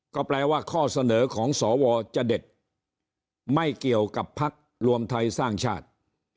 ก็แปลว่าข้อเสนอของสวจะเด็ดไม่เกี่ยวกับพักรวมไทยสร้างชาติ